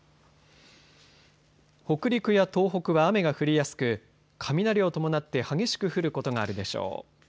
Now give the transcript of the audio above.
北陸や東北は雨が降りやすく雷を伴って激しく降ることがあるでしょう。